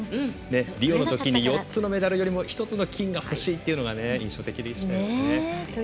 リオのときに４つのメダルよりも１つの金が欲しいというのは印象的でしたね。